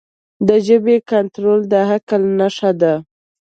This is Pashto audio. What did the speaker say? د ژبې کنټرول د عقل نښه ده.